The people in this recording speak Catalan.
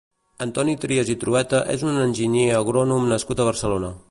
Antoni Trias i Trueta és un enginyer agrònom nascut a Barcelona.